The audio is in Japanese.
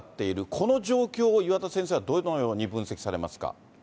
この状況を、岩田先生はどのように分析されますか。